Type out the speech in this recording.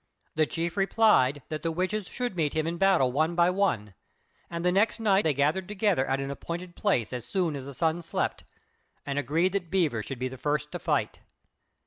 The chief replied that the witches should meet him in battle one by one; and the next night they gathered together at an appointed place as soon as the sun slept, and agreed that Beaver should be the first to fight.